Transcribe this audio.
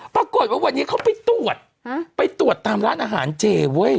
ปรากฏว่าวันนี้เขาไปตรวจไปตรวจตามร้านอาหารเจเว้ย